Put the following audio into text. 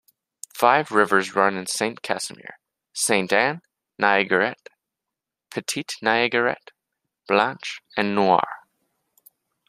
Five rivers run in Saint-Casimir: Sainte-Anne, Niagarette, Petite Niagarette, Blanche and Noire.